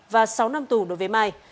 và sáu năm tù đối với mai